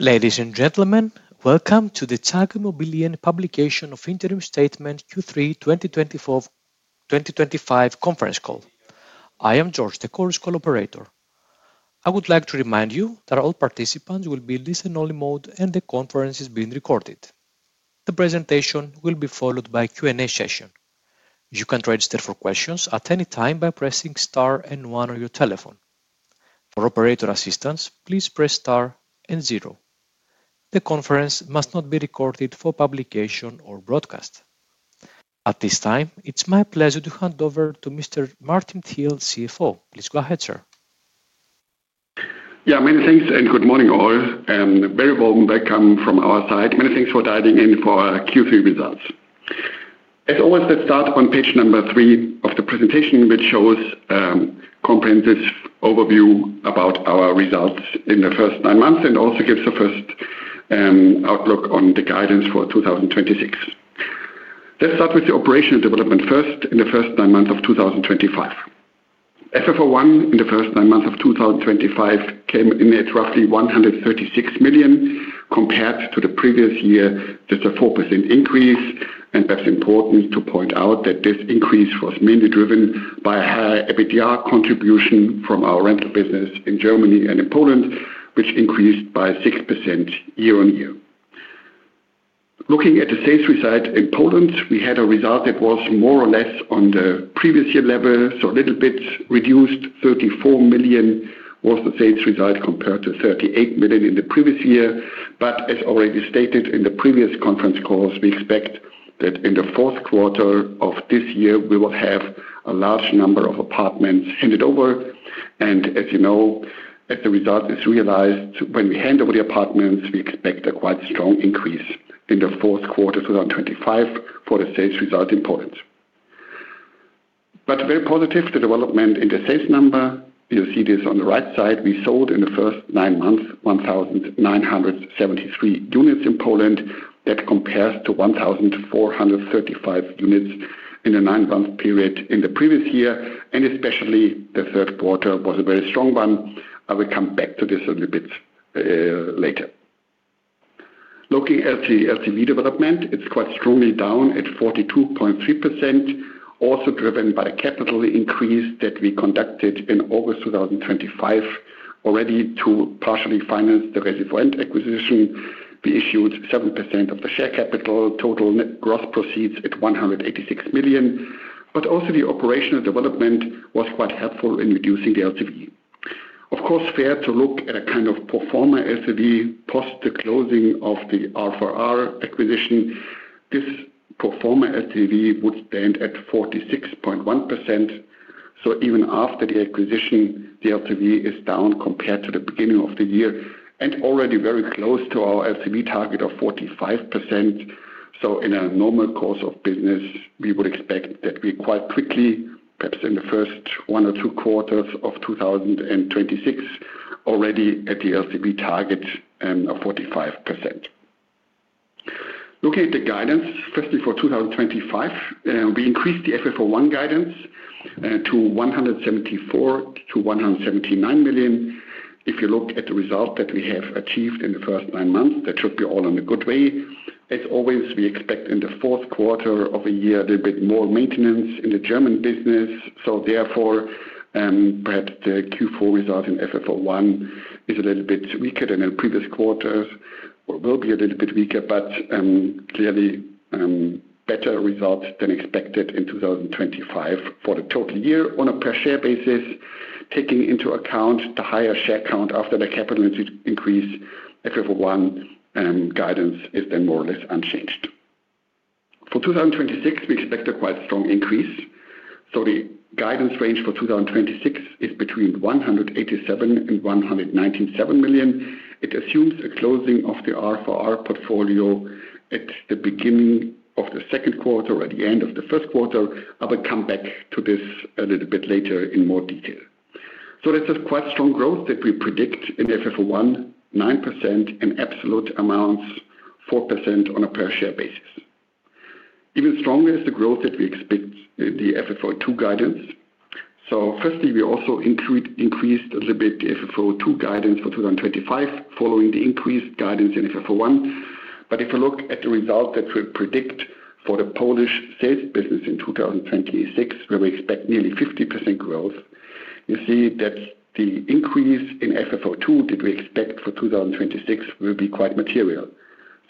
Ladies and gentlemen, welcome to the TAG Immobilien publication of Interim Statement Q3 2024-2025 conference call. I am George, the call's operator. I would like to remind you that all participants will be in listen-only mode, and the conference is being recorded. The presentation will be followed by a Q&A session. You can register for questions at any time by pressing star and one on your telephone. For operator assistance, please press star and zero. The conference must not be recorded for publication or broadcast. At this time, it's my pleasure to hand over to Mr. Martin Thiel, CFO. Please go ahead, sir. Yeah, many thanks and good morning all, and very warm welcome from our side. Many thanks for dialing in for our Q3 results. As always, let's start on page number three of the presentation, which shows a comprehensive overview about our results in the first nine months and also gives the first outlook on the guidance for 2026. Let's start with the operational development first in the first nine months of 2025. FFO I in the first nine months of 2025 came in at roughly 136 million, compared to the previous year, just a 4% increase. That's important to point out that this increase was mainly driven by a higher EBITDA contribution from our rental business in Germany and in Poland, which increased by 6% year on year. Looking at the sales result in Poland, we had a result that was more or less on the previous year level, so a little bit reduced. 34 million was the sales result compared to 38 million in the previous year. As already stated in the previous conference calls, we expect that in the fourth quarter of this year, we will have a large number of apartments handed over. As you know, as the result is realized when we hand over the apartments, we expect a quite strong increase in the fourth quarter 2025 for the sales result in Poland. Very positive development in the sales number. You'll see this on the right side. We sold in the first nine months 1,973 units in Poland. That compares to 1,435 units in the nine-month period in the previous year. Especially the third quarter was a very strong one. I will come back to this a little bit later. Looking at the LTV development, it is quite strongly down at 42.3%, also driven by the capital increase that we conducted in August 2025 already to partially finance the Resi4Rent acquisition. We issued 7% of the share capital, total net gross proceeds at 186 million. Also the operational development was quite helpful in reducing the LTV. Of course, fair to look at a kind of pro forma LTV post the closing of the R4R acquisition. This pro forma LTV would stand at 46.1%. Even after the acquisition, the LTV is down compared to the beginning of the year and already very close to our LTV target of 45%. In a normal course of business, we would expect that we quite quickly, perhaps in the first one or two quarters of 2026, already at the LTV target of 45%. Looking at the guidance, firstly for 2025, we increased the FFO I guidance to 174 million-179 million. If you look at the result that we have achieved in the first nine months, that should be all in a good way. As always, we expect in the fourth quarter of the year, a little bit more maintenance in the German business. Therefore, perhaps the Q4 result in FFO I is a little bit weaker than in previous quarters or will be a little bit weaker, but clearly better results than expected in 2025 for the total year on a per-share basis. Taking into account the higher share count after the capital increase, FFO I guidance is then more or less unchanged. For 2026, we expect a quite strong increase. The guidance range for 2026 is between 187 million and 197 million. It assumes a closing of the R4R portfolio at the beginning of the second quarter or at the end of the first quarter. I will come back to this a little bit later in more detail. This is quite strong growth that we predict in FFO I, 9% in absolute amounts, 4% on a per-share basis. Even stronger is the growth that we expect in the FFO II guidance. Firstly, we also increased a little bit the FFO II guidance for 2025 following the increased guidance in FFO I. If you look at the result that we predict for the Polish sales business in 2026, where we expect nearly 50% growth, you see that the increase in FFO II that we expect for 2026 will be quite material.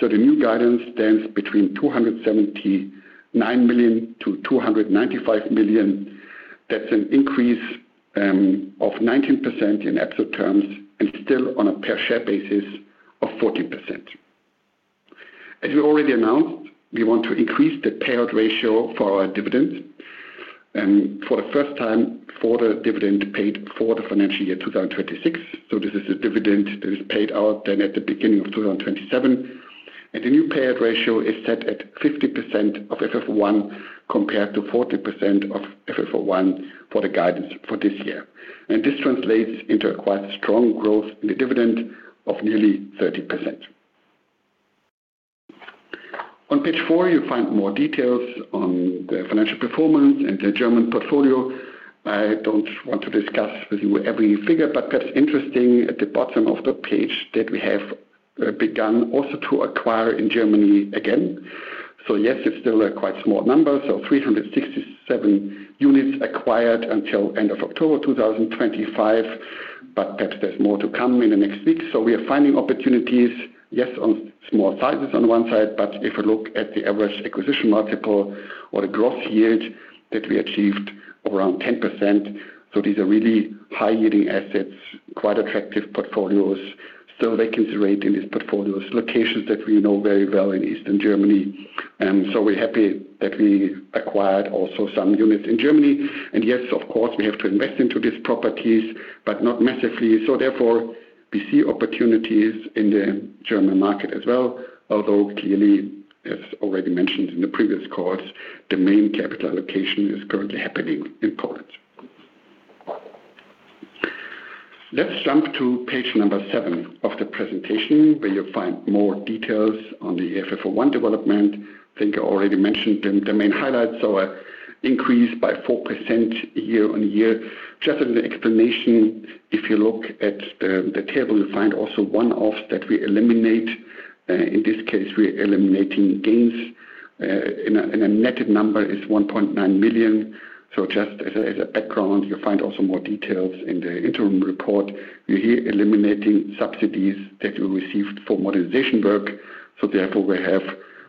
The new guidance stands between 279 million-295 million. That is an increase of 19% in absolute terms and still on a per-share basis of 14%. As we already announced, we want to increase the payout ratio for our dividends. For the first time, for the dividend paid for the financial year 2026. This is a dividend that is paid out then at the beginning of 2027. The new payout ratio is set at 50% of FFO I compared to 40% of FFO I for the guidance for this year. This translates into a quite strong growth in the dividend of nearly 30%. On page four, you find more details on the financial performance and the German portfolio. I do not want to discuss with you every figure, but it is interesting at the bottom of the page that we have begun also to acquire in Germany again. Yes, it's still a quite small number, so 367 units acquired until end of October 2025, but perhaps there's more to come in the next week. We are finding opportunities, yes, on small sizes on one side, but if we look at the average acquisition multiple or the gross yield that we achieved, around 10%. These are really high-yielding assets, quite attractive portfolios. Still, vacancy rate in these portfolios, locations that we know very well in Eastern Germany. We're happy that we acquired also some units in Germany. Yes, of course, we have to invest into these properties, but not massively. Therefore, we see opportunities in the German market as well, although clearly, as already mentioned in the previous calls, the main capital allocation is currently happening in Poland. Let's jump to page number seven of the presentation, where you'll find more details on the FFO I development. I think I already mentioned the main highlights. An increase by 4% year on year. Just as an explanation, if you look at the table, you find also one-offs that we eliminate. In this case, we're eliminating gains. A netted number is 1.9 million. Just as a background, you'll find also more details in the interim report. You're here eliminating subsidies that we received for modernization work. Therefore, we have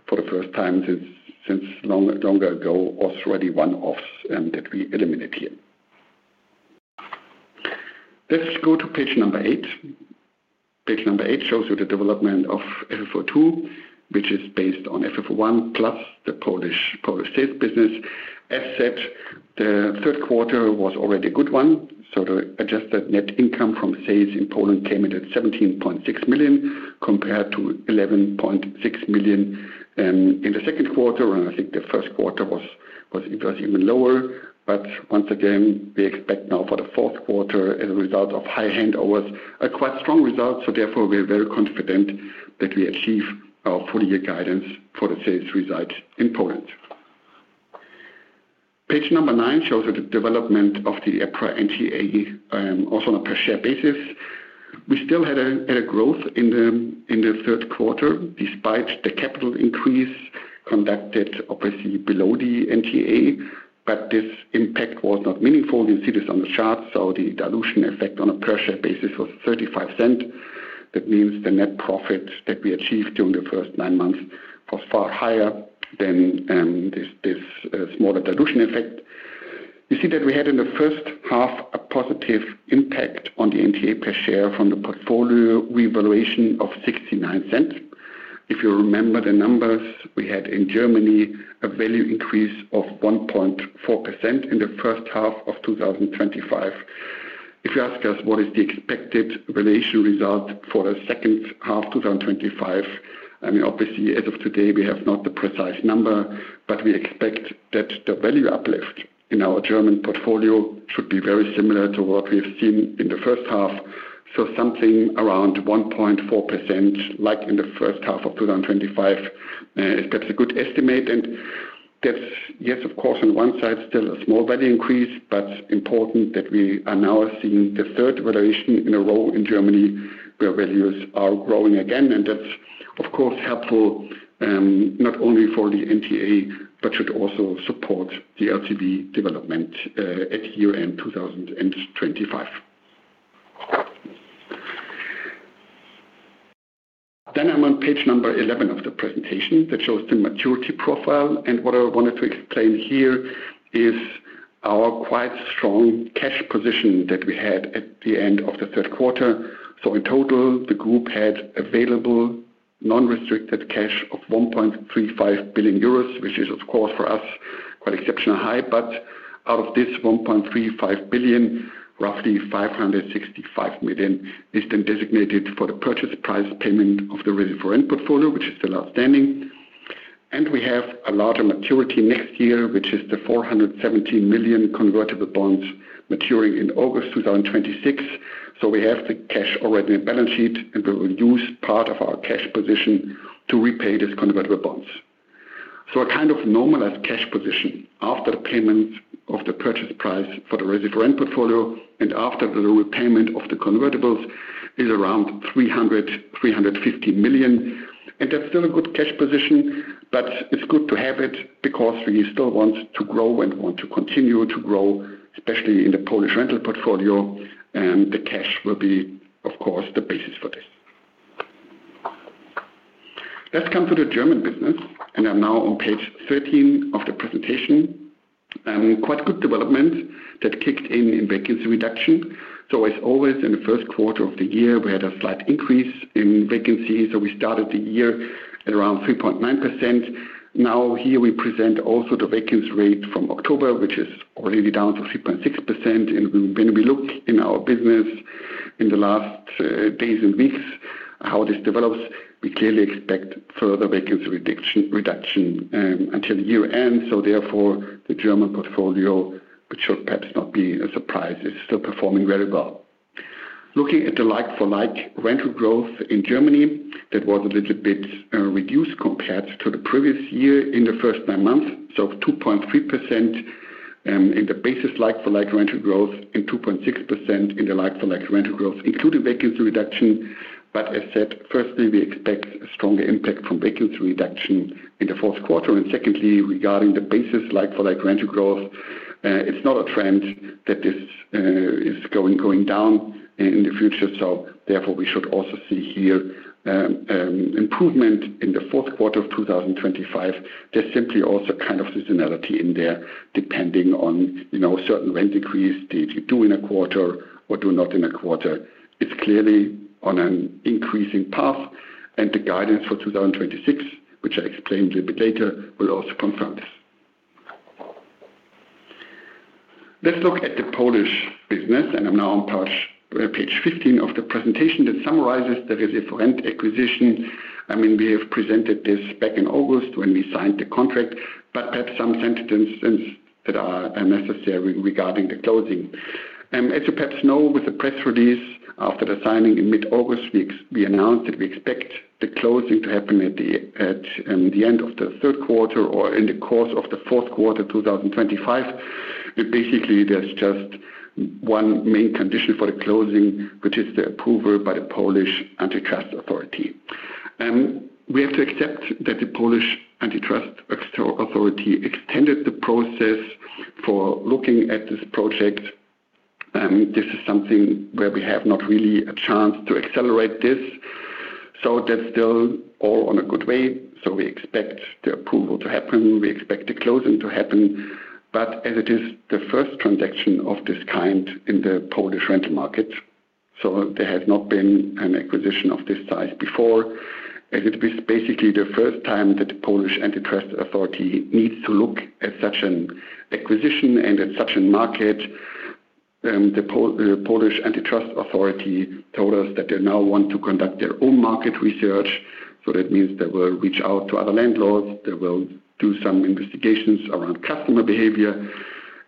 for the first time since longer ago, also already one-offs that we eliminate here. Let's go to page number eight. Page number eight shows you the development of FFO II, which is based on FFO I plus the Polish sales business. As said, the third quarter was already a good one. The adjusted net income from sales in Poland came in at 17.6 million compared to 11.6 million in the second quarter. I think the first quarter was even lower. Once again, we expect now for the fourth quarter, as a result of high handovers, a quite strong result. Therefore, we're very confident that we achieve our full-year guidance for the sales result in Poland. Page number nine shows you the development of the EPRA NTA, also on a per-share basis. We still had a growth in the third quarter despite the capital increase conducted obviously below the NTA, but this impact was not meaningful. You see this on the chart. The dilution effect on a per-share basis was 0.35. That means the net profit that we achieved during the first nine months was far higher than this smaller dilution effect. You see that we had in the first half a positive impact on the NTA per share from the portfolio revaluation of 0.69. If you remember the numbers, we had in Germany a value increase of 1.4% in the first half of 2025. If you ask us what is the expected valuation result for the second half 2025, I mean, obviously, as of today, we have not the precise number, but we expect that the value uplift in our German portfolio should be very similar to what we've seen in the first half. Something around 1.4%, like in the first half of 2025, is perhaps a good estimate. That is, yes, of course, on one side, still a small value increase, but important that we are now seeing the third valuation in a row in Germany, where values are growing again. That's, of course, helpful not only for the NTA, but should also support the LTV development at year-end 2025. I'm on page number 11 of the presentation that shows the maturity profile. What I wanted to explain here is our quite strong cash position that we had at the end of the third quarter. In total, the group had available non-restricted cash of 1.35 billion euros, which is, of course, for us, quite exceptionally high. Out of this 1.35 billion, roughly 565 million is then designated for the purchase price payment of the rental portfolio, which is still outstanding. We have a larger maturity next year, which is the 470 million convertible bonds maturing in August 2026. We have the cash already in the balance sheet, and we will use part of our cash position to repay these convertible bonds. A kind of normalized cash position after the payment of the purchase price for the Resi4Rent portfolio and after the repayment of the convertibles is around 300 million-350 million. That is still a good cash position, but it is good to have it because we still want to grow and want to continue to grow, especially in the Polish rental portfolio. The cash will be, of course, the basis for this. Let's come to the German business. I am now on page 13 of the presentation. Quite good development that kicked in in vacancy reduction. As always, in the first quarter of the year, we had a slight increase in vacancy. We started the year at around 3.9%. Here we present also the vacancy rate from October, which is already down to 3.6%. When we look in our business in the last days and weeks, how this develops, we clearly expect further vacancy reduction until year-end. Therefore, the German portfolio, which should perhaps not be a surprise, is still performing very well. Looking at the like-for-like rental growth in Germany, that was a little bit reduced compared to the previous year in the first nine months. 2.3% in the basis like-for-like rental growth and 2.6% in the like-for-like rental growth, including vacancy reduction. As said, firstly, we expect a stronger impact from vacancy reduction in the fourth quarter. Secondly, regarding the basis like-for-like rental growth, it is not a trend that this is going down in the future. Therefore, we should also see here improvement in the fourth quarter of 2025. There's simply also a kind of seasonality in there, depending on certain rent decrease that you do in a quarter or do not in a quarter. It's clearly on an increasing path. The guidance for 2026, which I explained a little bit later, will also confirm this. Let's look at the Polish business. I'm now on page 15 of the presentation that summarizes the Resi4Rent acquisition. I mean, we have presented this back in August when we signed the contract, but perhaps some sentences that are necessary regarding the closing. As you perhaps know, with the press release after the signing in mid-August, we announced that we expect the closing to happen at the end of the third quarter or in the course of the fourth quarter 2025. Basically, there's just one main condition for the closing, which is the approval by the Polish Antitrust Authority. We have to accept that the Polish Antitrust Authority extended the process for looking at this project. This is something where we have not really a chance to accelerate this. That is still all on a good way. We expect the approval to happen. We expect the closing to happen. As it is the first transaction of this kind in the Polish rental market, there has not been an acquisition of this size before. As it was basically the first time that the Polish Antitrust Authority needs to look at such an acquisition and at such a market, the Polish Antitrust Authority told us that they now want to conduct their own market research. That means they will reach out to other landlords. They will do some investigations around customer behavior.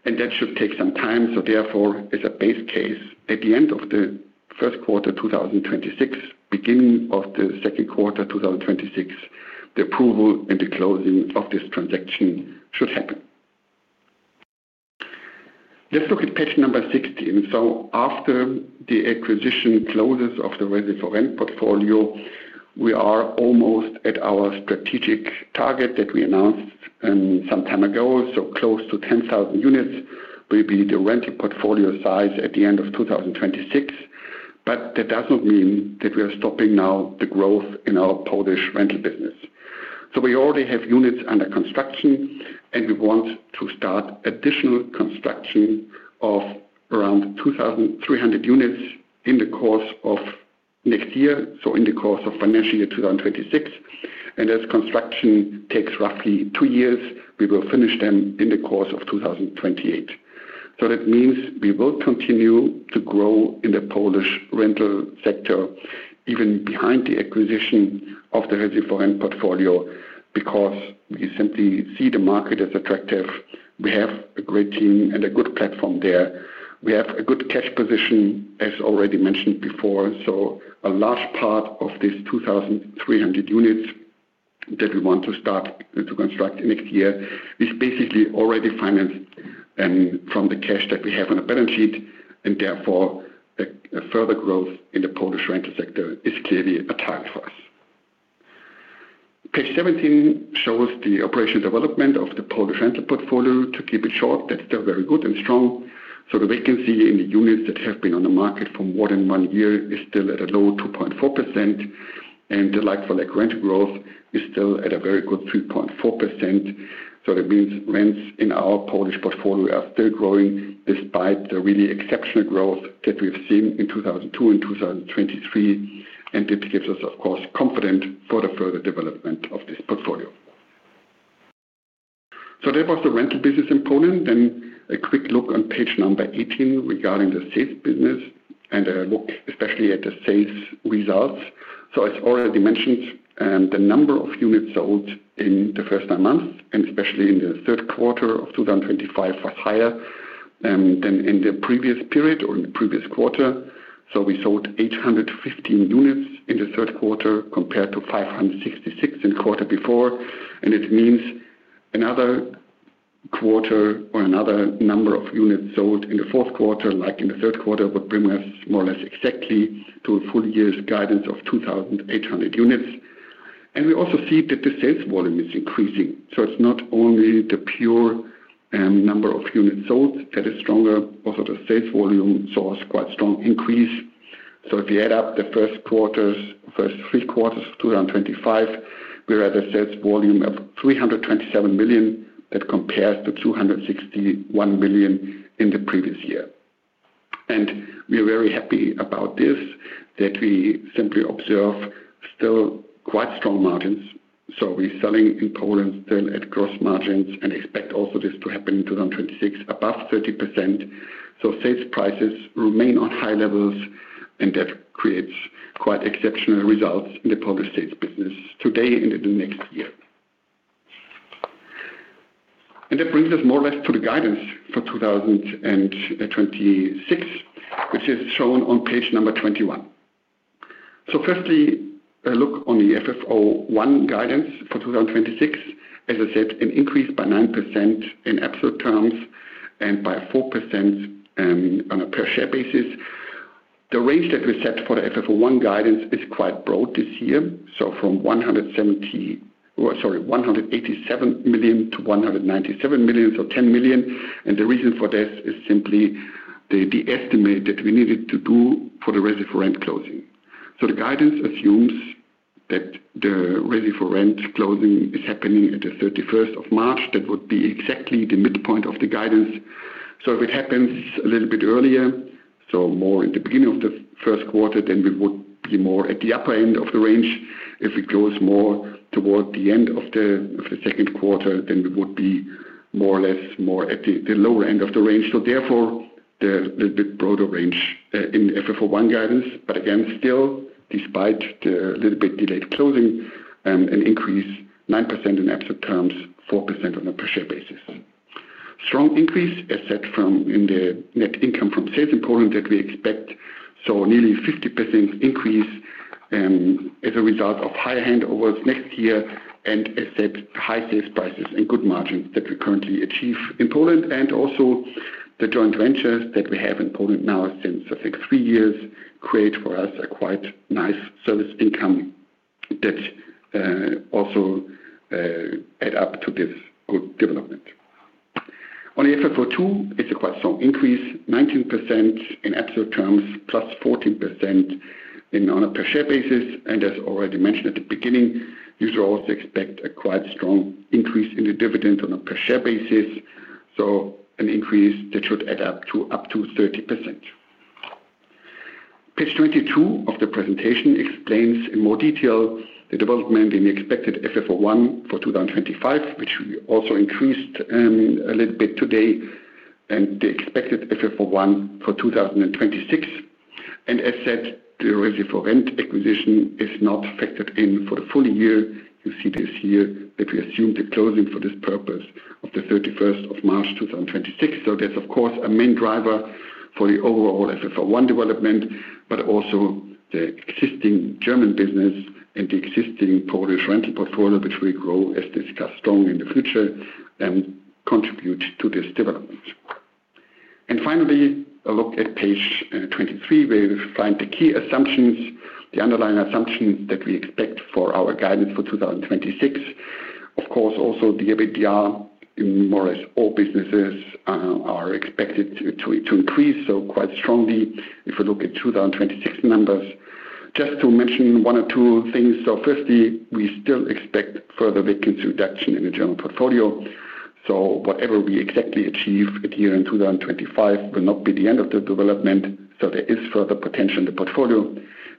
That should take some time. Therefore, as a base case, at the end of the first quarter 2026, beginning of the second quarter 2026, the approval and the closing of this transaction should happen. Let's look at page number 16. After the acquisition closes of the rental portfolio, we are almost at our strategic target that we announced some time ago. Close to 10,000 units will be the rental portfolio size at the end of 2026. That does not mean that we are stopping now the growth in our Polish rental business. We already have units under construction, and we want to start additional construction of around 2,300 units in the course of next year, in the course of financial year 2026. As construction takes roughly two years, we will finish them in the course of 2028. That means we will continue to grow in the Polish rental sector, even behind the acquisition of the Resi4Rent portfolio, because we simply see the market as attractive. We have a great team and a good platform there. We have a good cash position, as already mentioned before. A large part of these 2,300 units that we want to start to construct next year is basically already financed from the cash that we have on a balance sheet. Therefore, further growth in the Polish rental sector is clearly a target for us. Page 17 shows the operational development of the Polish rental portfolio. To keep it short, that is still very good and strong. The vacancy in the units that have been on the market for more than one year is still at a low 2.4%. The like-for-like rental growth is still at a very good 3.4%. That means rents in our Polish portfolio are still growing despite the really exceptional growth that we have seen in 2002 and 2023. It gives us, of course, confidence for the further development of this portfolio. That was the rental business in Poland. A quick look on page number 18 regarding the sales business and a look especially at the sales results. As already mentioned, the number of units sold in the first nine months, and especially in the third quarter of 2025, was higher than in the previous period or in the previous quarter. We sold 815 units in the third quarter compared to 566 in the quarter before. It means another quarter or another number of units sold in the fourth quarter, like in the third quarter, would bring us more or less exactly to a full-year guidance of 2,800 units. We also see that the sales volume is increasing. It is not only the pure number of units sold that is stronger. Also, the sales volume saw a quite strong increase. If you add up the first three quarters of 2025, we had a sales volume of 327 million that compares to 261 million in the previous year. We are very happy about this that we simply observe still quite strong margins. We are selling in Poland still at gross margins and expect also this to happen in 2026, above 30%. Sales prices remain on high levels, and that creates quite exceptional results in the Polish sales business today and in the next year. That brings us more or less to the guidance for 2026, which is shown on page number 21. Firstly, a look on the FFO I guidance for 2026. As I said, an increase by 9% in absolute terms and by 4% on a per-share basis. The range that we set for the FFO I guidance is quite broad this year, from 187 million-197 million, so 10 million. The reason for this is simply the estimate that we needed to do for the Resi4Rent closing. The guidance assumes that the Resi4Rent closing is happening at the 31st of March. That would be exactly the midpoint of the guidance. If it happens a little bit earlier, so more in the beginning of the first quarter, then we would be more at the upper end of the range. If we close more toward the end of the second quarter, then we would be more or less more at the lower end of the range. Therefore, a little bit broader range in FFO I guidance. Again, still, despite the little bit delayed closing, an increase of 9% in absolute terms, 4% on a per-share basis. Strong increase, as said, in the net income from sales in Poland that we expect. Nearly 50% increase as a result of higher handovers next year. As said, high sales prices and good margins that we currently achieve in Poland. Also, the joint ventures that we have in Poland now since, I think, three years create for us a quite nice service income that also adds up to this good development. On the FFO II, it is a quite strong increase, 19% in absolute terms, plus 14% on a per-share basis. As already mentioned at the beginning, users also expect a quite strong increase in the dividend on a per-share basis. An increase that should add up to up to 30%. Page 22 of the presentation explains in more detail the development in the expected FFO I for 2025, which we also increased a little bit today, and the expected FFO I for 2026. As said, the Resi4Rent acquisition is not factored in for the full year. You see this year that we assume the closing for this purpose of the 31st of March 2026. That is, of course, a main driver for the overall FFO I development, but also the existing German business and the existing Polish rental portfolio, which will grow, as discussed, strong in the future and contribute to this development. Finally, a look at page 23, where we find the key assumptions, the underlying assumptions that we expect for our guidance for 2026. Of course, also the EBITDA in more or less all businesses are expected to increase, so quite strongly if we look at 2026 numbers. Just to mention one or two things. Firstly, we still expect further vacancy reduction in the German portfolio. Whatever we exactly achieve here in 2025 will not be the end of the development. There is further potential in the portfolio.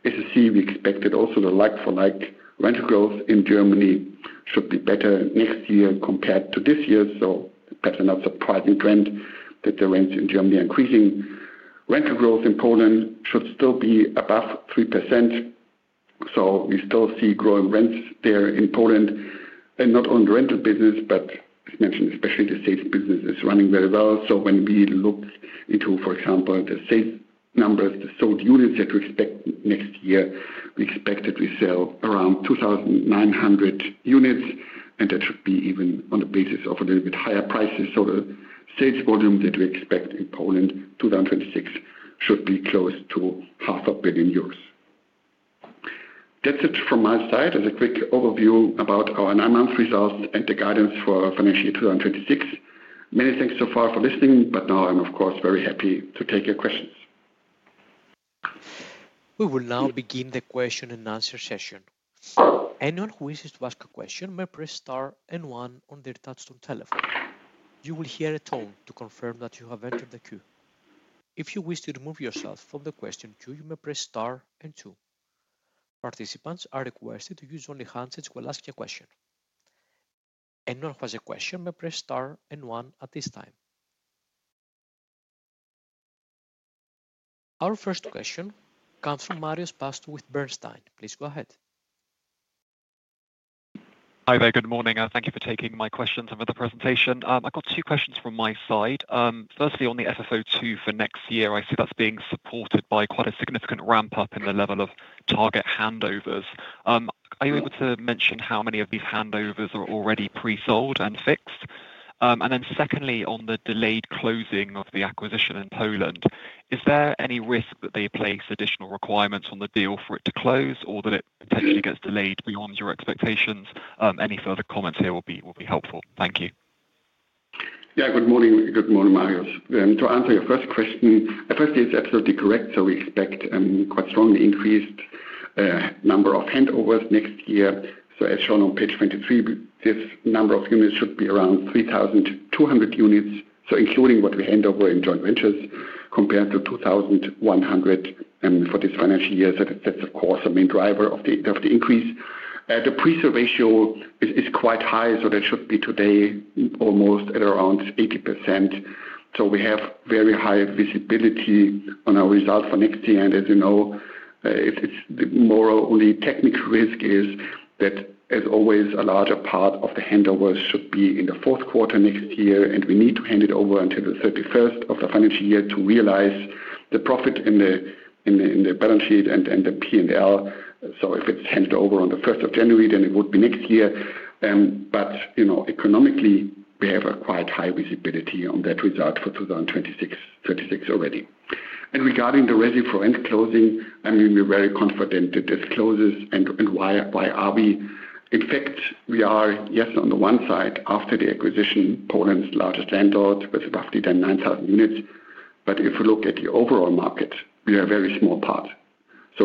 As you see, we expected also the like-for-like rental growth in Germany should be better next year compared to this year. Perhaps not a surprising trend that the rents in Germany are increasing. Rental growth in Poland should still be above 3%. We still see growing rents there in Poland. Not only the rental business, but as mentioned, especially the sales business is running very well. When we look into, for example, the sales numbers, the sold units that we expect next year, we expect that we sell around 2,900 units. That should be even on the basis of a little bit higher prices. The sales volume that we expect in Poland 2026 should be close to 0.5 billion euros. That is it from my side as a quick overview about our nine-month results and the guidance for financial year 2026. Many thanks so far for listening, but now I am, of course, very happy to take your questions. We will now begin the question and answer session. Anyone who wishes to ask a question may press star and one on their touchstone telephone. You will hear a tone to confirm that you have entered the queue. If you wish to remove yourself from the question queue, you may press star and two. Participants are requested to use only handsets while asking a question. Anyone who has a question may press star and one at this time. Our first question comes from Marios Pastou with Bernstein. Please go ahead. Hi there, good morning. Thank you for taking my questions and for the presentation. I've got two questions from my side. Firstly, on the FFO II for next year, I see that's being supported by quite a significant ramp-up in the level of target handovers. Are you able to mention how many of these handovers are already pre-sold and fixed? Secondly, on the delayed closing of the acquisition in Poland, is there any risk that they place additional requirements on the deal for it to close or that it potentially gets delayed beyond your expectations? Any further comments here will be helpful. Thank you. Yeah, good morning. Good morning, Marios. To answer your first question, firstly, it's absolutely correct. We expect a quite strongly increased number of handovers next year. As shown on page 23, this number of units should be around 3,200 units, including what we hand over in joint ventures compared to 2,100 for this financial year. That's, of course, a main driver of the increase. The pre-sale ratio is quite high, so that should be today almost at around 80%. We have very high visibility on our result for next year. As you know, the more only technical risk is that, as always, a larger part of the handovers should be in the fourth quarter next year. We need to hand it over until the 31st of the financial year to realize the profit in the balance sheet and the P&L. If it's handed over on the 1st of January, then it would be next year. Economically, we have quite high visibility on that result for 2026 already. Regarding the Resi4Rent closing, I mean, we're very confident that this closes. Why are we? In fact, we are, yes, on the one side, after the acquisition, Poland's largest landlord with roughly then 9,000 units. If we look at the overall market, we are a very small part.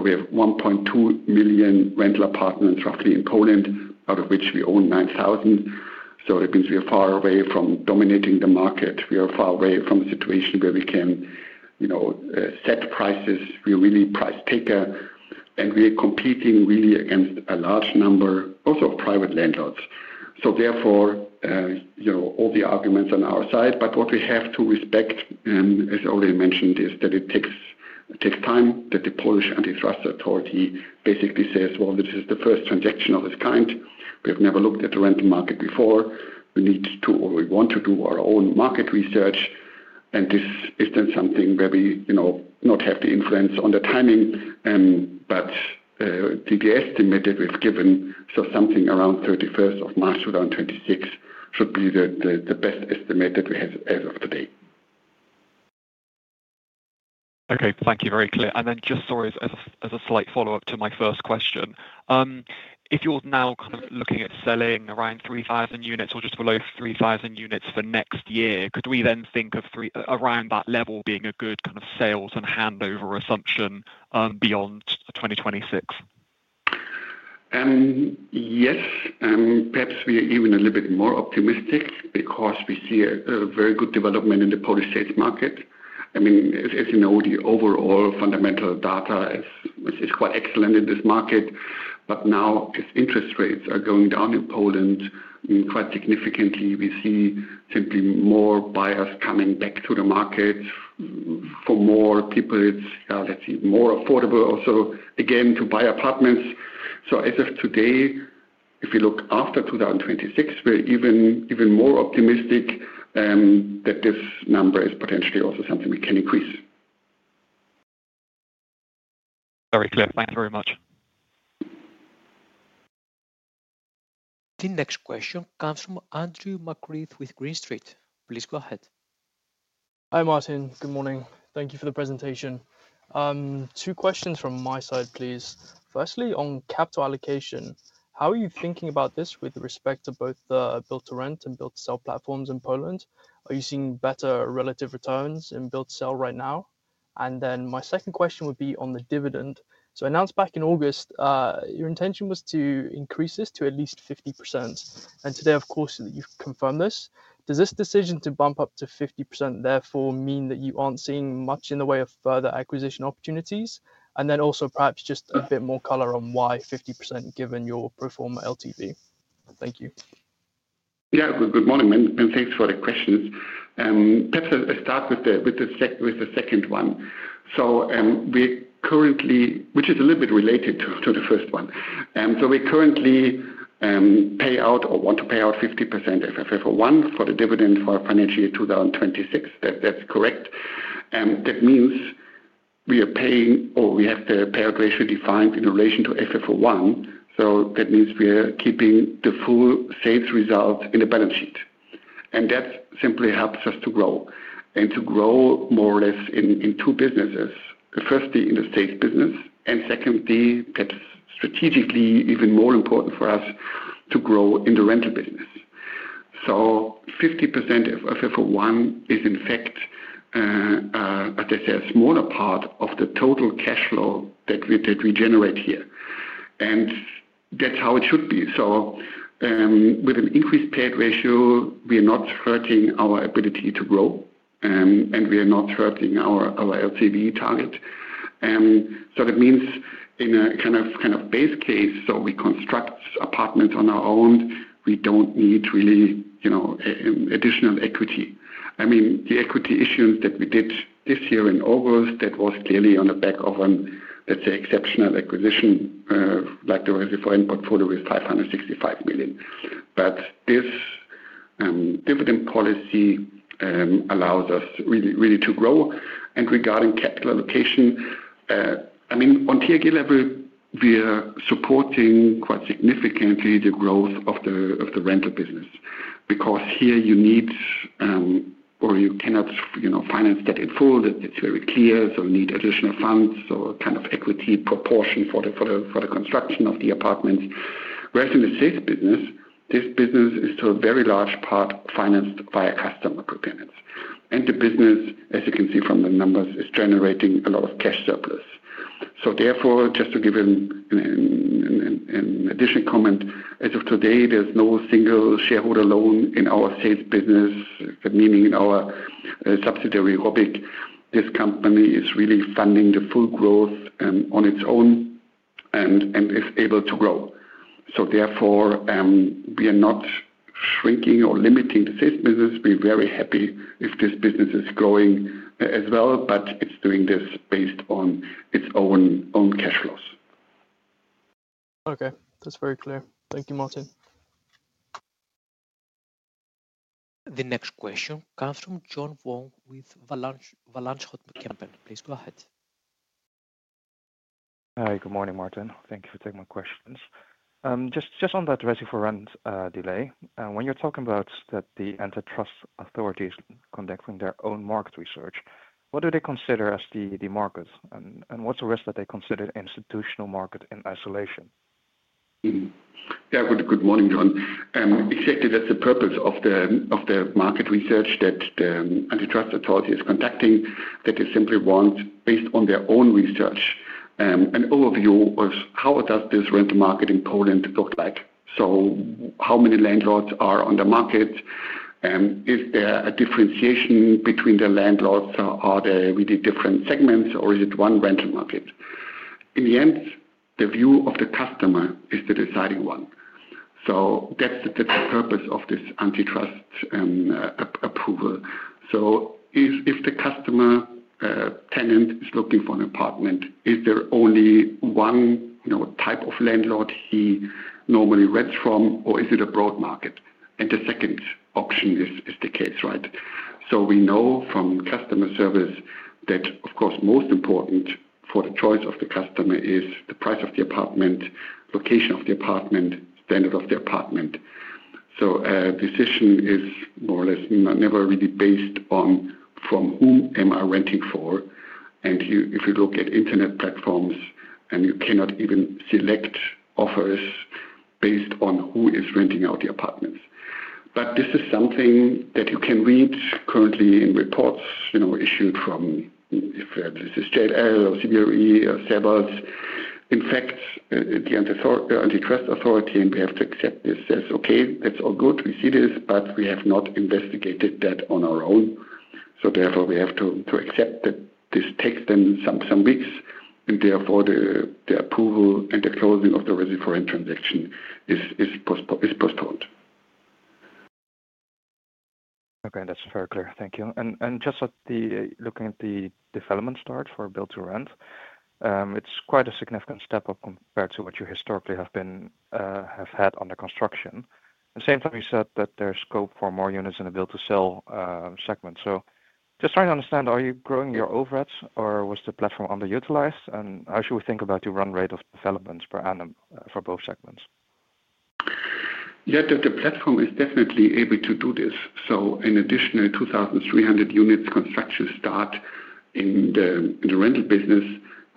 We have 1.2 million rental apartments roughly in Poland, out of which we own 9,000. It means we are far away from dominating the market. We are far away from a situation where we can set prices. We are really price taker. We are competing really against a large number also of private landlords. Therefore, all the arguments on our side. What we have to respect, as already mentioned, is that it takes time that the Polish Antitrust Authority basically says, well, this is the first transaction of this kind. We have never looked at the rental market before. We need to, or we want to do our own market research. This is then something where we not have the influence on the timing. The estimate that we've given, so something around 31st of March 2026, should be the best estimate that we have as of today. Okay, thank you, very clear. Just sorry, as a slight follow-up to my first question, if you're now kind of looking at selling around 3,000 units or just below 3,000 units for next year, could we then think of around that level being a good kind of sales and handover assumption beyond 2026? Yes, perhaps we are even a little bit more optimistic because we see a very good development in the Polish sales market. I mean, as you know, the overall fundamental data is quite excellent in this market. Now, as interest rates are going down in Poland quite significantly, we see simply more buyers coming back to the market. For more people, it's, let's see, more affordable also, again, to buy apartments. As of today, if we look after 2026, we're even more optimistic that this number is potentially also something we can increase. Very clear. Thank you very much. The next question comes from Andrew McCreath with Green Street. Please go ahead. Hi Martin, good morning. Thank you for the presentation. Two questions from my side, please. Firstly, on capital allocation, how are you thinking about this with respect to both the built-to-rent and built-to-sell platforms in Poland? Are you seeing better relative returns in built-to-sell right now? My second question would be on the dividend. Announced back in August, your intention was to increase this to at least 50%. Today, of course, you have confirmed this. Does this decision to bump up to 50% therefore mean that you are not seeing much in the way of further acquisition opportunities? Also, perhaps just a bit more color on why 50% given your pro forma LTV. Thank you. Yeah, good morning. Thanks for the questions. Perhaps I'll start with the second one. We currently, which is a little bit related to the first one, we currently pay out or want to pay out 50% of FFO I for the dividend for financial year 2026. That's correct. That means we are paying or we have the payout ratio defined in relation to FFO I. That means we are keeping the full sales result in the balance sheet. That simply helps us to grow. To grow more or less in two businesses. Firstly, in the sales business. Secondly, that's strategically even more important for us, to grow in the rental business. 50% of FFO I is, in fact, as I said, a smaller part of the total cash flow that we generate here. That's how it should be. With an increased payout ratio, we are not hurting our ability to grow. We are not hurting our LTV target. That means in a kind of base case, we construct apartments on our own, we do not need really additional equity. I mean, the equity issues that we did this year in August, that was clearly on the back of an, let's say, exceptional acquisition. Like the Resi4Rent portfolio is 565 million. This dividend policy allows us really to grow. Regarding capital allocation, I mean, on TAG level, we are supporting quite significantly the growth of the rental business. Because here you need, or you cannot finance that in full, that is very clear. You need additional funds or kind of equity proportion for the construction of the apartments. Whereas in the sales business, this business is to a very large part financed via customer prepayments. The business, as you can see from the numbers, is generating a lot of cash surplus. Therefore, just to give an additional comment, as of today, there is no single shareholder loan in our sales business, meaning in our subsidiary Hobik. This company is really funding the full growth on its own and is able to grow. Therefore, we are not shrinking or limiting the sales business. We are very happy if this business is growing as well, but it is doing this based on its own cash flows. Okay, that's very clear. Thank you, Martin. The next question comes from John Vuong with Van Lanschot Kempen. Please go ahead. Hi, good morning, Martin. Thank you for taking my questions. Just on that Resi4Rent delay, when you're talking about that the Antitrust Authority is conducting their own market research, what do they consider as the market? And what's the rest that they consider institutional market in isolation? Yeah, good morning, John. Exactly, that's the purpose of the market research that the Antitrust Authority is conducting. That is simply once, based on their own research, an overview of how does this rental market in Poland look like. So how many landlords are on the market? Is there a differentiation between the landlords? Are there really different segments, or is it one rental market? In the end, the view of the customer is the deciding one. That's the purpose of this Antitrust approval. If the customer tenant is looking for an apartment, is there only one type of landlord he normally rents from, or is it a broad market? The second option is the case, right? We know from customer service that, of course, most important for the choice of the customer is the price of the apartment, location of the apartment, standard of the apartment. A decision is more or less never really based on from whom am I renting for? If you look at internet platforms, you cannot even select offers based on who is renting out the apartments. This is something that you can read currently in reports issued from, if this is JLL or CBRE or Savills. In fact, the Antitrust Authority, and we have to accept this, says, okay, that's all good, we see this, but we have not investigated that on our own. Therefore, we have to accept that this takes them some weeks. Therefore, the approval and the closing of the Resi4Rent transaction is postponed. Okay, that's very clear. Thank you. Just looking at the development start for built-to-rent, it's quite a significant step up compared to what you historically have had on the construction. At the same time, you said that there's scope for more units in the built-to-sell segment. Just trying to understand, are you growing your overheads, or was the platform underutilized? How should we think about your run rate of developments per annum for both segments? Yeah, the platform is definitely able to do this. An additional 2,300 units construction start in the rental business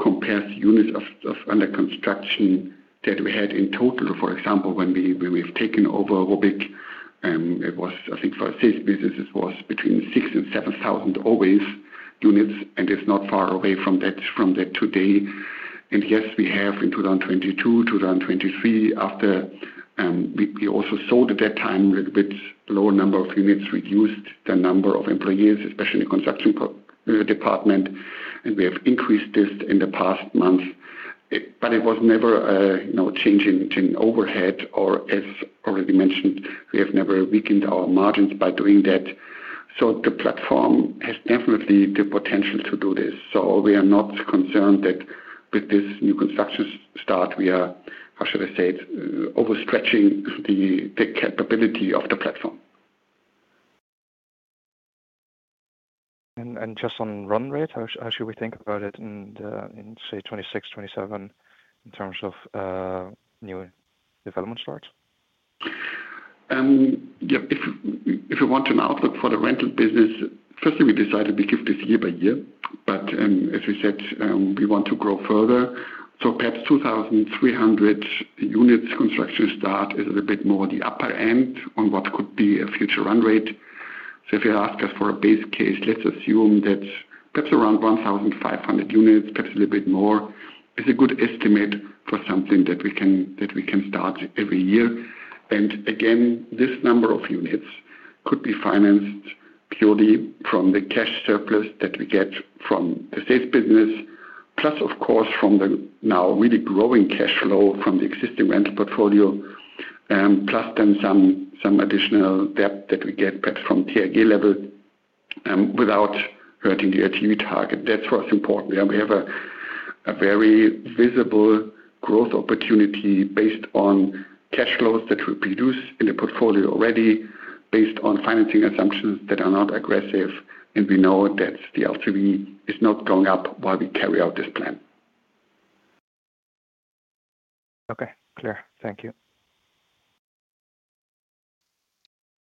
compares units of under construction that we had in total. For example, when we have taken over WOBIG, it was, I think, for sales business, it was between 6,000 and 7,000 always units. It is not far away from that today. Yes, we have in 2022, 2023, after we also sold at that time, a little bit lower number of units, reduced the number of employees, especially in the construction department. We have increased this in the past month. It was never a change in overhead, or as already mentioned, we have never weakened our margins by doing that. The platform has definitely the potential to do this. We are not concerned that with this new construction start, we are, how should I say it, overstretching the capability of the platform. Just on run rate, how should we think about it in, say, 2026, 2027 in terms of new development starts? Yeah, if you want to know for the rental business, firstly, we decided we give this year by year. As we said, we want to grow further. Perhaps 2,300 units construction start is a little bit more the upper end on what could be a future run rate. If you ask us for a base case, let's assume that perhaps around 1,500 units, perhaps a little bit more, is a good estimate for something that we can start every year. Again, this number of units could be financed purely from the cash surplus that we get from the sales business, plus, of course, from the now really growing cash flow from the existing rental portfolio, plus then some additional debt that we get perhaps from TAG level without hurting the LTV target. That's what's important. We have a very visible growth opportunity based on cash flows that we produce in the portfolio already, based on financing assumptions that are not aggressive. We know that the LTV is not going up while we carry out this plan. Okay, clear. Thank you.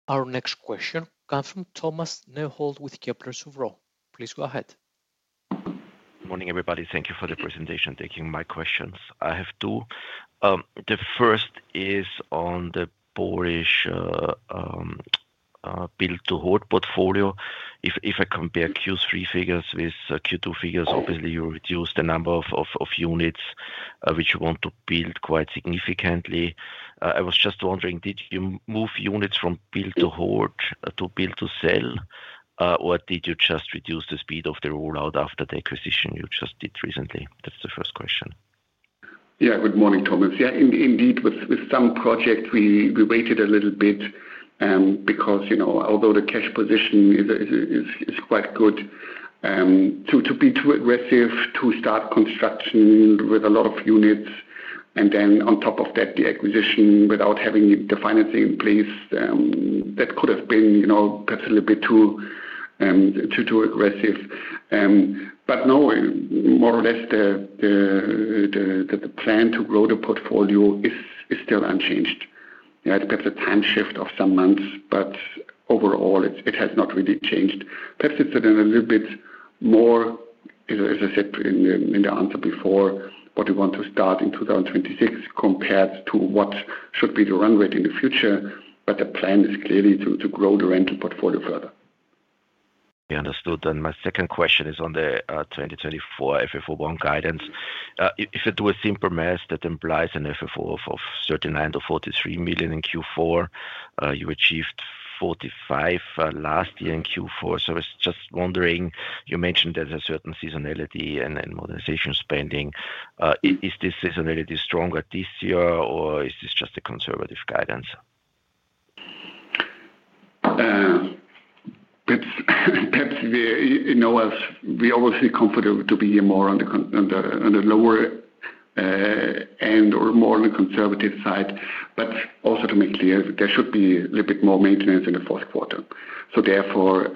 Our next question comes from Thomas Neuhold with Kepler Cheuvreux. Please go ahead. Good morning, everybody. Thank you for the presentation. Taking my questions. I have two. The first is on the Polish build-to-hoard portfolio. If I compare Q3 figures with Q2 figures, obviously, you reduce the number of units which you want to build quite significantly. I was just wondering, did you move units from build-to-hoard to build-to-sell, or did you just reduce the speed of the rollout after the acquisition you just did recently? That's the first question. Yeah, good morning, Thomas. Yeah, indeed, with some projects, we waited a little bit because although the cash position is quite good, to be too aggressive to start construction with a lot of units, and then on top of that, the acquisition without having the financing in place, that could have been perhaps a little bit too aggressive. No, more or less, the plan to grow the portfolio is still unchanged. There's a time shift of some months, but overall, it has not really changed. Perhaps it's a little bit more, as I said in the answer before, what we want to start in 2026 compared to what should be the run rate in the future. The plan is clearly to grow the rental portfolio further. Understood. My second question is on the 2024 FFO I guidance. If it were a simple math, that implies an FFO of 39 million-43 million in Q4. You achieved 45 million last year in Q4. I was just wondering, you mentioned there is a certain seasonality and modernization spending. Is this seasonality stronger this year, or is this just a conservative guidance? Perhaps we always feel comfortable to be more on the lower end or more on the conservative side. Also, to make clear, there should be a little bit more maintenance in the fourth quarter. Therefore,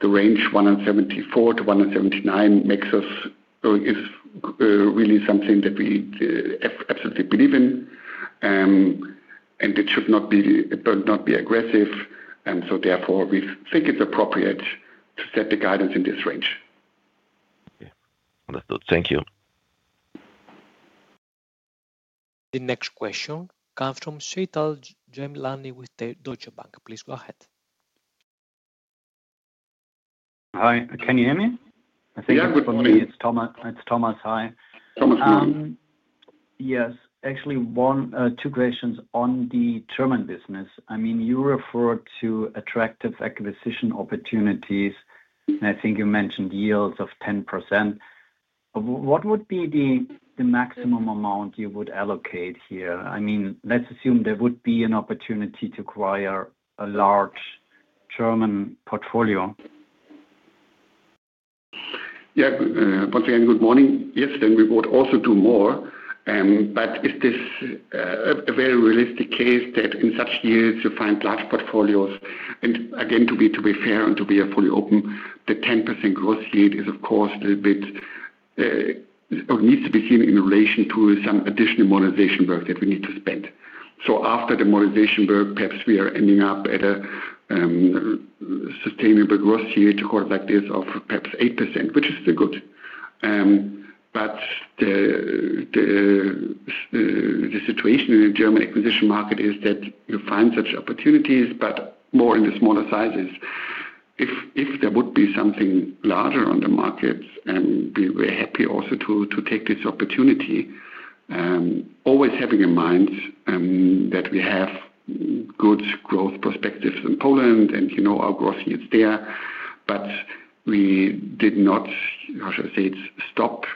the range 174 million-179 million makes us really something that we absolutely believe in. It should not be aggressive. Therefore, we think it's appropriate to set the guidance in this range. Understood. Thank you. The next question comes from Sheetal Jaimalani with Deutsche Bank. Please go ahead. Hi, can you hear me? It's Thomas, hi. Thomas, good morning. Yes, actually, two questions on the German business. I mean, you referred to attractive acquisition opportunities, and I think you mentioned yields of 10%. What would be the maximum amount you would allocate here? I mean, let's assume there would be an opportunity to acquire a large German portfolio. Yeah, once again, good morning. Yes, then we would also do more. Is this a very realistic case that in such years, you find large portfolios? To be fair and to be fully open, the 10% gross yield is, of course, a little bit or needs to be seen in relation to some additional modernization work that we need to spend. After the modernization work, perhaps we are ending up at a sustainable gross yield, of course, like this of perhaps 8%, which is still good. The situation in the German acquisition market is that you find such opportunities, but more in the smaller sizes. If there would be something larger on the market, we are happy also to take this opportunity, always having in mind that we have good growth perspectives in Poland and our gross yields there. We did not, how should I say it, stop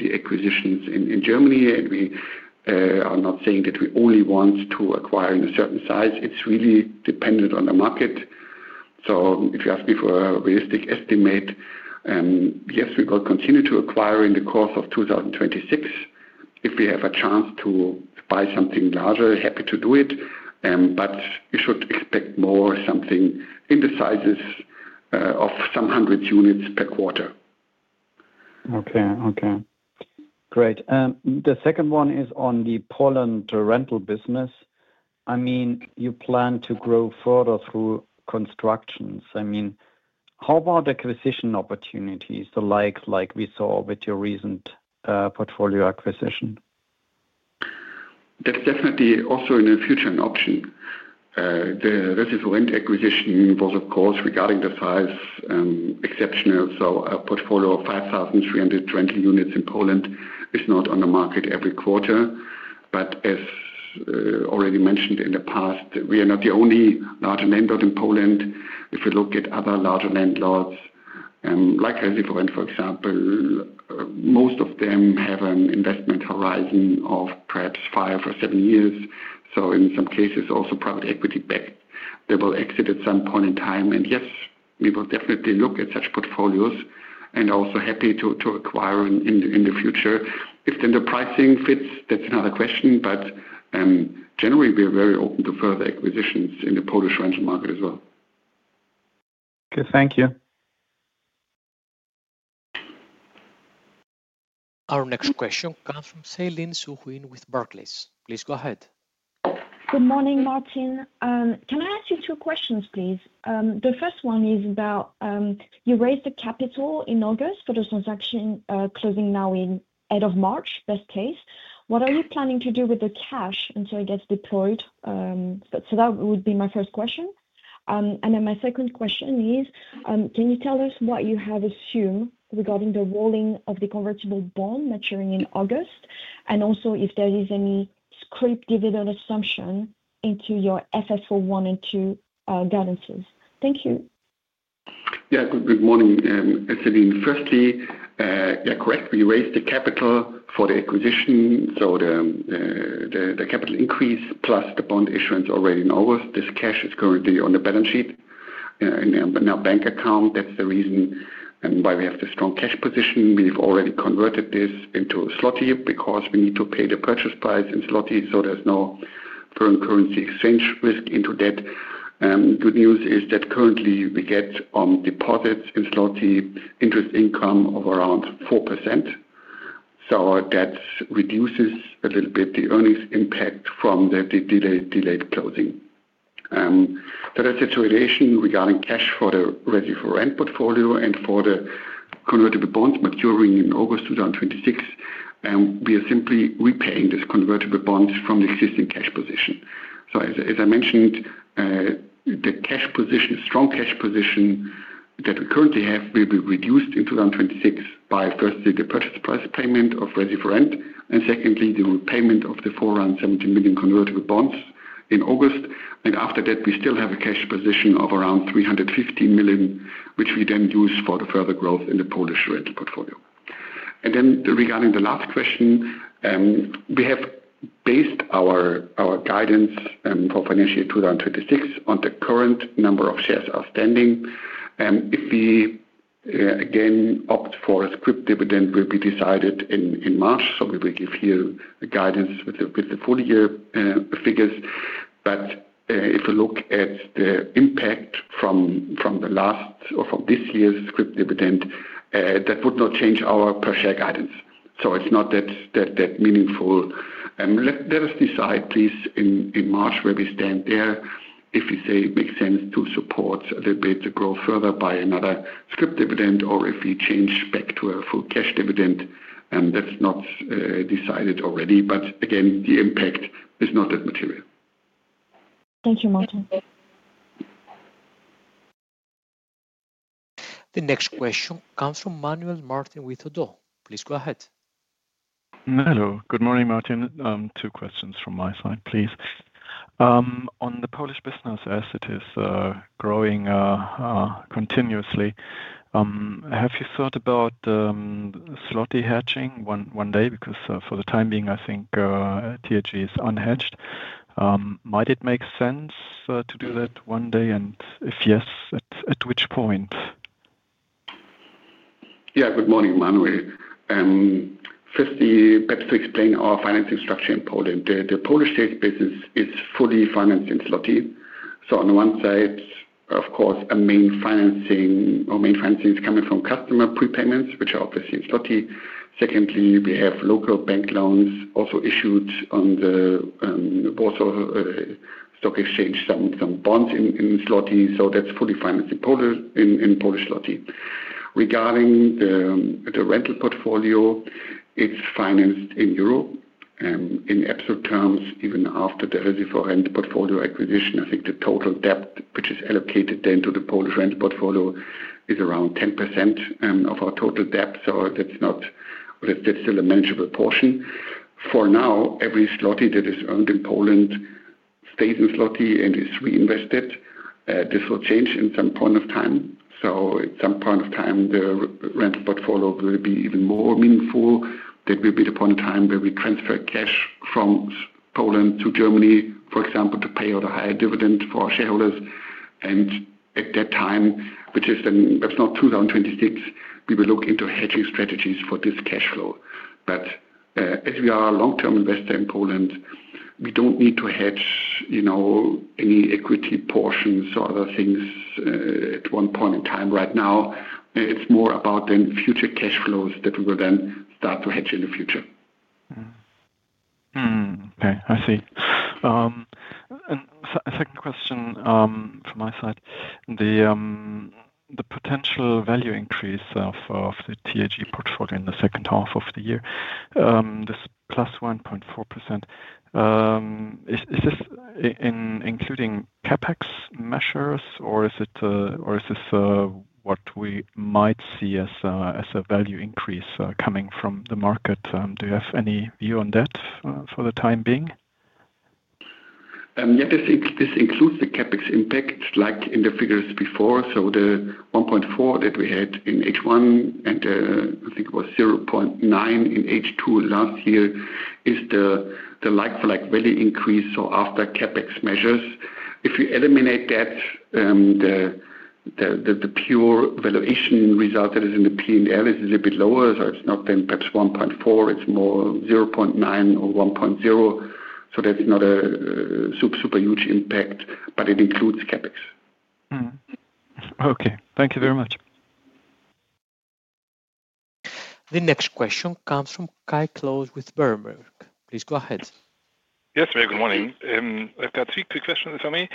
the acquisitions in Germany. We are not saying that we only want to acquire in a certain size. It is really dependent on the market. If you ask me for a realistic estimate, yes, we will continue to acquire in the course of 2026. If we have a chance to buy something larger, happy to do it. You should expect more something in the sizes of some hundreds of units per quarter. Okay, okay. Great. The second one is on the Poland rental business. I mean, you plan to grow further through constructions. I mean, how about acquisition opportunities, the likes like we saw with your recent portfolio acquisition? That's definitely also in the future an option. The Resi4Rent acquisition was, of course, regarding the size, exceptional. So a portfolio of 5,300 rental units in Poland is not on the market every quarter. As already mentioned in the past, we are not the only large landlord in Poland. If you look at other larger landlords, like Safer Rent, for example, most of them have an investment horizon of perhaps five or seven years. In some cases, also private equity backed. They will exit at some point in time. Yes, we will definitely look at such portfolios and also be happy to acquire in the future. If then the pricing fits, that's another question. Generally, we are very open to further acquisitions in the Polish rental market as well. Okay, thank you. Our next question comes from [Shailene Suhuin] with Barclays. Please go ahead. Good morning, Martin. Can I ask you two questions, please? The first one is about you raised the capital in August for the transaction closing now in end of March, best case. What are you planning to do with the cash until it gets deployed? That would be my first question. My second question is, can you tell us what you have assumed regarding the rolling of the convertible bond maturing in August, and also if there is any scrape dividend assumption into your FFO I and II guidances? Thank you. Yeah, good morning. Firstly, yeah, correct, we raised the capital for the acquisition. So the capital increase plus the bond issuance already in August, this cash is currently on the balance sheet in our bank account. That's the reason why we have the strong cash position. We've already converted this into a złoty because we need to pay the purchase price in złoty. So there's no foreign currency exchange risk into that. Good news is that currently we get on deposits in złoty interest income of around 4%. So that reduces a little bit the earnings impact from the delayed closing. That's the situation regarding cash for the Resi4Rent portfolio and for the convertible bonds maturing in August 2026. We are simply repaying this convertible bonds from the existing cash position. As I mentioned, the strong cash position that we currently have will be reduced in 2026 by, firstly, the purchase price payment of Resi4Rent, and secondly, the repayment of the 470 million convertible bonds in August. After that, we still have a cash position of around 350 million, which we then use for the further growth in the Polish rental portfolio. Regarding the last question, we have based our guidance for financial year 2026 on the current number of shares outstanding. If we again opt for a scrip dividend, that will be decided in March. We will give guidance with the full year figures. If you look at the impact from the last or from this year's scrip dividend, that would not change our per share guidance. It is not that meaningful. Let us decide, please, in March where we stand there. If we say it makes sense to support a little bit to grow further by another scrip dividend, or if we change back to a full cash dividend, that's not decided already. Again, the impact is not that material. Thank you, Martin. The next question comes from Manuel Martin with ODDO. Please go ahead. Hello, good morning, Martin. Two questions from my side, please. On the Polish business, as it is growing continuously, have you thought about złoty hedging one day? Because for the time being, I think TAG is unhedged. Might it make sense to do that one day? If yes, at which point? Yeah, good morning, Manuel. Firstly, perhaps to explain our financing structure in Poland. The Polish sales business is fully financed in złoty. On one side, of course, our main financing is coming from customer prepayments, which are obviously in złoty. Secondly, we have local bank loans, also issued on the stock exchange, some bonds in złoty. That is fully financed in Polish złoty. Regarding the rental portfolio, it is financed in euro. In absolute terms, even after the Resi4Rent portfolio acquisition, I think the total debt, which is allocated then to the Polish rental portfolio, is around 10% of our total debt. That is still a manageable portion. For now, every złoty that is earned in Poland stays in złoty and is reinvested. This will change at some point in time. At some point in time, the rental portfolio will be even more meaningful. That will be the point of time where we transfer cash from Poland to Germany, for example, to pay out a higher dividend for our shareholders. At that time, which is then, that's not 2026, we will look into hedging strategies for this cash flow. As we are a long-term investor in Poland, we don't need to hedge any equity portions or other things at one point in time. Right now, it's more about then future cash flows that we will then start to hedge in the future. Okay, I see. Second question from my side, the potential value increase of the TAG portfolio in the second half of the year, this +1.4%, is this including CapEx measures, or is this what we might see as a value increase coming from the market? Do you have any view on that for the time being? Yeah, this includes the CapEx impact like in the figures before. The 1.4% that we had in H1 and I think it was 0.9% in H2 last year is the like-for-like value increase. After CapEx measures, if you eliminate that, the pure valuation result that is in the P&L is a bit lower. It is not then perhaps 1.4%, it is more 0.9% or 1.0%. That is not a super huge impact, but it includes CapEx. Okay, thank you very much. The next question comes from [Kai Klaus] with Berenberg. Please go ahead. Yes, very good morning. I've got three quick questions for me.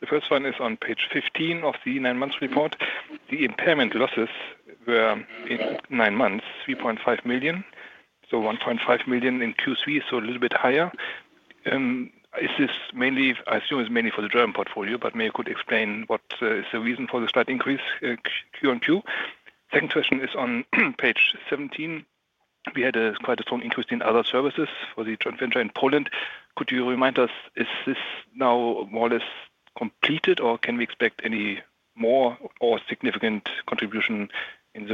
The first one is on page 15 of the nine-month report. The impairment losses were in nine months, 3.5 million. So 1.5 million in Q3, so a little bit higher. I assume it's mainly for the German portfolio, but maybe you could explain what is the reason for the slight increase Q on Q. Second question is on page 17. We had quite a strong increase in other services for the joint venture in Poland. Could you remind us, is this now more or less completed, or can we expect any more or significant contribution in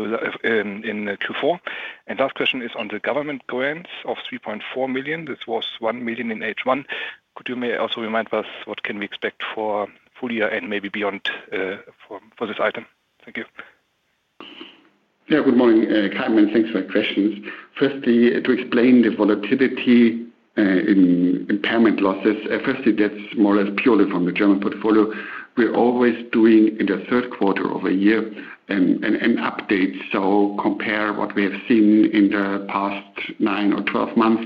Q4? And last question is on the government grants of 3.4 million. This was 1 million in H1. Could you also remind us what can we expect for full year and maybe beyond for this item? Thank you. Yeah, good morning, [Kai]. Thanks for the questions. Firstly, to explain the volatility in impairment losses, firstly, that's more or less purely from the German portfolio. We're always doing in the third quarter of a year an update. So compare what we have seen in the past nine or twelve months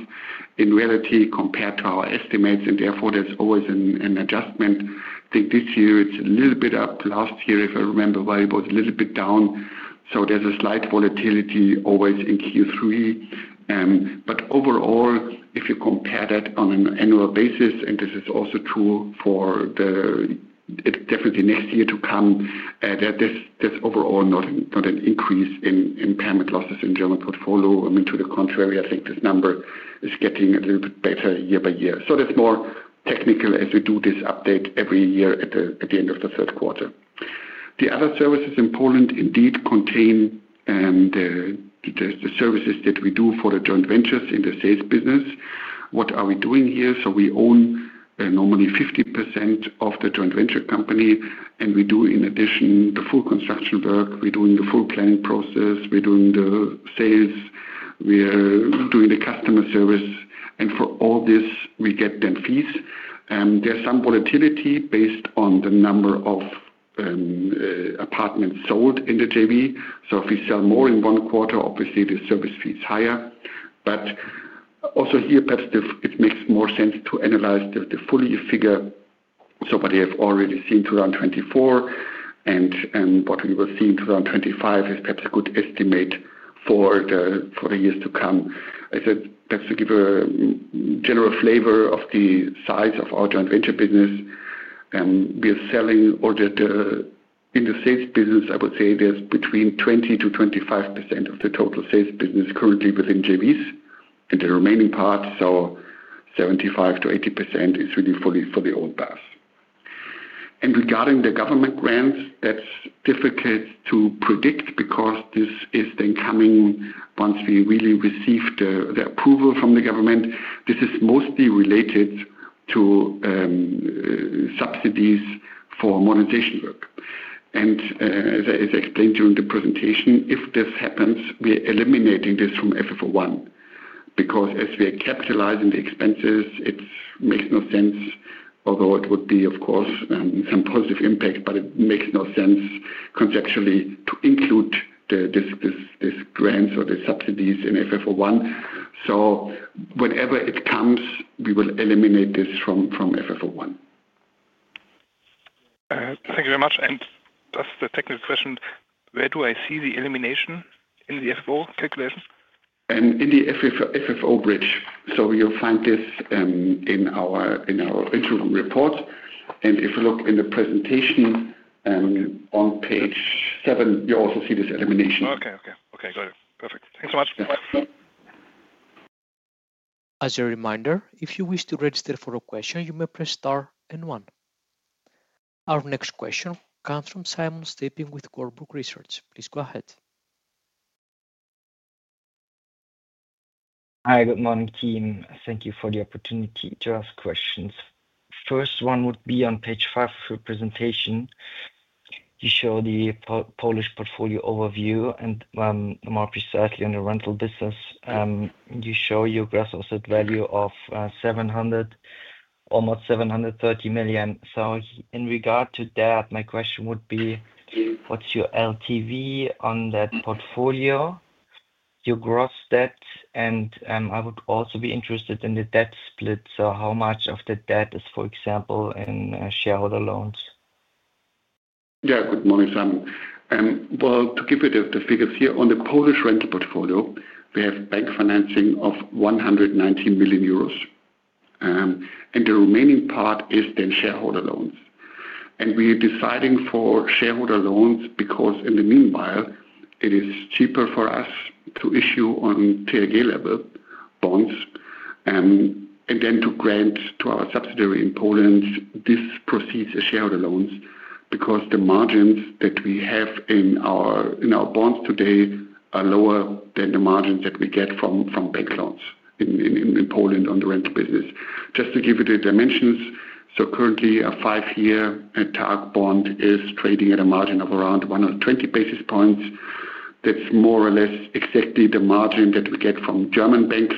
in reality compared to our estimates. Therefore, there's always an adjustment. I think this year it's a little bit up. Last year, if I remember well, it was a little bit down. There's a slight volatility always in Q3. Overall, if you compare that on an annual basis, and this is also true for definitely next year to come, there's overall not an increase in impairment losses in German portfolio. I mean, to the contrary, I think this number is getting a little bit better year by year. That is more technical as we do this update every year at the end of the third quarter. The other services in Poland indeed contain the services that we do for the joint ventures in the sales business. What are we doing here? We own normally 50% of the joint venture company. We do, in addition, the full construction work. We are doing the full planning process. We are doing the sales. We are doing the customer service. For all this, we get them fees. There is some volatility based on the number of apartments sold in the JV. If we sell more in one quarter, obviously the service fee is higher. Also here, perhaps it makes more sense to analyze the full year figure. What we have already seen in 2024 and what we will see in 2025 is perhaps a good estimate for the years to come. I said perhaps to give a general flavor of the size of our joint venture business. We are selling in the sales business, I would say there's between 20%-25% of the total sales business currently within JVs. The remaining part, so 75%-80%, is really fully for the old bus. Regarding the government grants, that's difficult to predict because this is then coming once we really receive the approval from the government. This is mostly related to subsidies for modernization work. As I explained during the presentation, if this happens, we're eliminating this from FFO I because as we are capitalizing the expenses, it makes no sense, although it would be, of course, some positive impact, but it makes no sense conceptually to include this grant or the subsidies in FFO I. Whenever it comes, we will eliminate this from FFO I. Thank you very much. Just the technical question, where do I see the elimination in the FFO calculation? In the FFO bridge. You will find this in our interim report. If you look in the presentation on page seven, you will also see this elimination. Okay, okay. Okay, got it. Perfect. Thanks so much. As a reminder, if you wish to register for a question, you may press star and one. Our next question comes from Simon Stippig with Warburg Research. Please go ahead. Hi, good morning, team. Thank you for the opportunity to ask questions. First one would be on page five of your presentation. You show the Polish portfolio overview, and more precisely on the rental business. You show your gross asset value of almost 730 million. In regard to that, my question would be, what's your LTV on that portfolio, your gross debt? I would also be interested in the debt split. How much of the debt is, for example, in shareholder loans? Yeah, good morning, Simon. To give you the figures here, on the Polish rental portfolio, we have bank financing of 190 million euros. The remaining part is then shareholder loans. We are deciding for shareholder loans because in the meanwhile, it is cheaper for us to issue on TAG level bonds and then to grant to our subsidiary in Poland these proceeds as shareholder loans because the margins that we have in our bonds today are lower than the margins that we get from bank loans in Poland on the rental business. Just to give you the dimensions, currently a five-year TAG bond is trading at a margin of around 120 basis points. That is more or less exactly the margin that we get from German banks.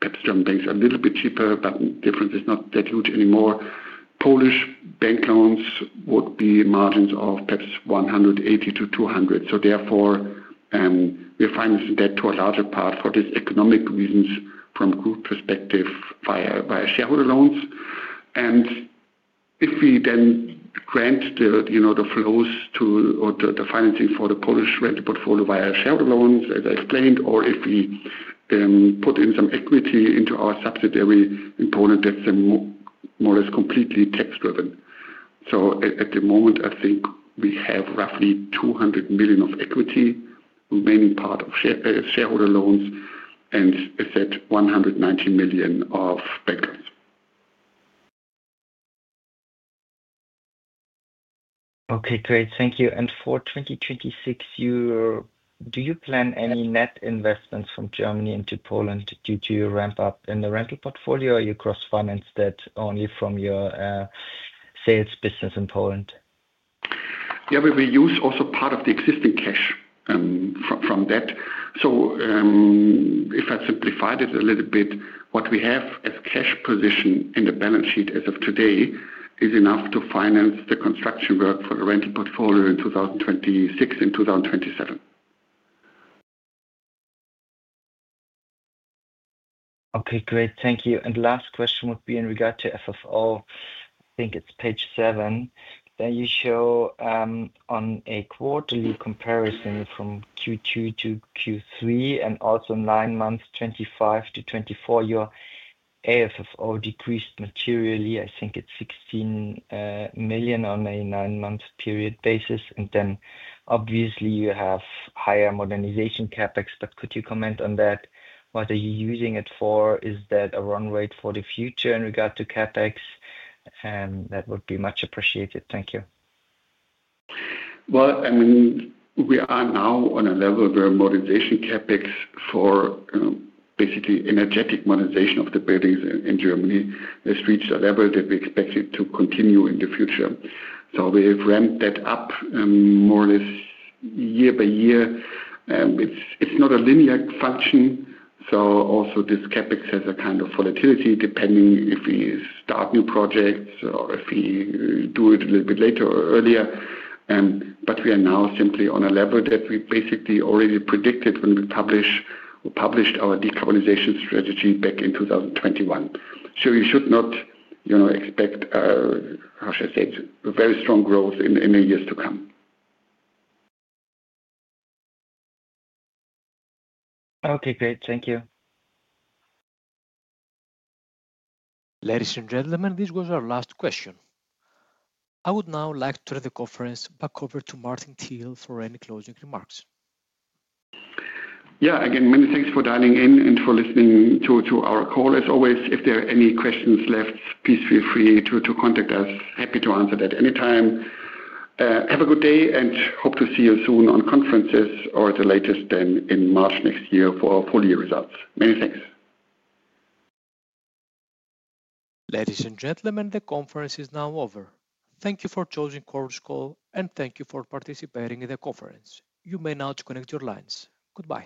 Perhaps German banks are a little bit cheaper, but the difference is not that huge anymore. Polish bank loans would be margins of perhaps 180-200. Therefore, we are financing that to a larger part for these economic reasons from a group perspective via shareholder loans. If we then grant the flows or the financing for the Polish rental portfolio via shareholder loans, as I explained, or if we put in some equity into our subsidiary component, that is more or less completely tax-driven. At the moment, I think we have roughly 200 million of equity, remaining part of shareholder loans, and I said 190 million of bank loans. Okay, great. Thank you. For 2026, do you plan any net investments from Germany into Poland due to your ramp-up in the rental portfolio, or you cross-finance that only from your sales business in Poland? Yeah, we will use also part of the existing cash from that. If I simplify it a little bit, what we have as cash position in the balance sheet as of today is enough to finance the construction work for the rental portfolio in 2026 and 2027. Okay, great. Thank you. The last question would be in regard to FFO. I think it's page seven. You show on a quarterly comparison from Q2 to Q3 and also nine months, 2025 to 2024, your AFFO decreased materially. I think it's 16 million on a nine-month period basis. You have higher modernization CapEx. Could you comment on that? What are you using it for? Is that a run rate for the future in regard to CapEx? That would be much appreciated. Thank you. I mean, we are now on a level where modernization CapEx for basically energetic modernization of the buildings in Germany has reached a level that we expect it to continue in the future. We have ramped that up more or less year by year. It's not a linear function. Also, this CapEx has a kind of volatility depending if we start new projects or if we do it a little bit later or earlier. We are now simply on a level that we basically already predicted when we published our decarbonization strategy back in 2021. You should not expect, how should I say it, very strong growth in the years to come. Okay, great. Thank you. Ladies and gentlemen, this was our last question. I would now like to turn the conference back over to Martin Thiel for any closing remarks. Yeah, again, many thanks for dialing in and for listening to our call. As always, if there are any questions left, please feel free to contact us. Happy to answer that anytime. Have a good day and hope to see you soon on conferences or at the latest then in March next year for our full year results. Many thanks. Ladies and gentlemen, the conference is now over. Thank you for choosing Coruscal and thank you for participating in the conference. You may now disconnect your lines. Goodbye.